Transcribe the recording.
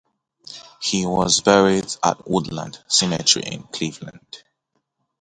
He was buried at Woodland Cemetery in Cleveland.